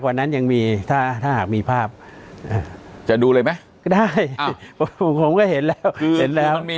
กว่านั้นยังมีถ้าหากมีภาพจะดูเลยไหมได้ผมก็เห็นแล้วมี